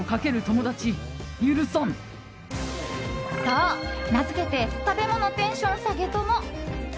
そう、名付けて食べ物テンション下げ友。